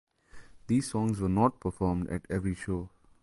These songs were not performed at every show.